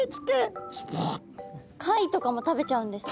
貝とかも食べちゃうんですね。